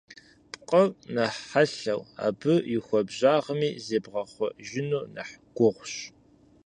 Пкъыр нэхъ хьэлъэху, абы и хуабжьагъми зебгъэхъуэжыну нэхъ гугъущ.